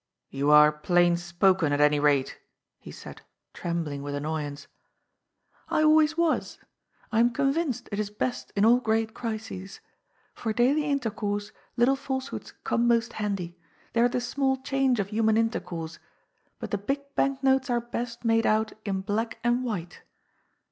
" You are plain spoken, at any rate," he said, trembling with annoyance. " I always was. I am convinced it is best in all great crises. For daily intercourse little falsehoods come most handy. They are the small change of human intercourse, but the big bank notes are best made out in black and white.